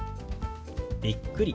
「びっくり」。